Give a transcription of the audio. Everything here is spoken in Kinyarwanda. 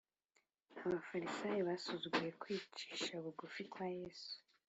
Abafarisayo basuzuguye kwicisha bugufi kwa Yesu.